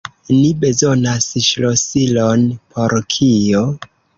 Ni bezonas ŝlosilon por kio?